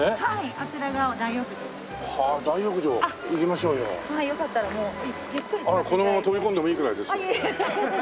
このまま飛び込んでもいいくらいですよ。